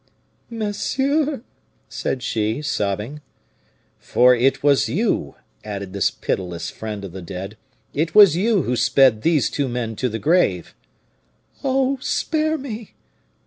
"Monsieur!" said she, sobbing. "For it was you," added this pitiless friend of the dead, "it was you who sped these two men to the grave." "Oh! spare me!"